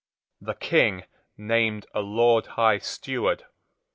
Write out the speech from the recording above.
The King named a Lord High Steward.